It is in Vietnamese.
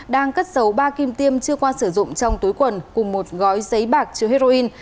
đang cất dấu ba kim tiêm chưa qua sử dụng trong túi quần cùng một gói giấy bạc chứa heroin